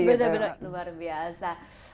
betul betul luar biasa